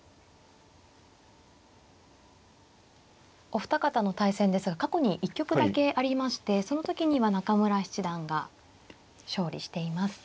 お二方の対戦ですが過去に一局だけありましてその時には中村七段が勝利しています。